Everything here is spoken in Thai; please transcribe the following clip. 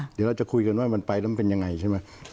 เดี๋ยวเราจะคุยกันว่ามันไปแล้วมันเป็นยังไงใช่ไหม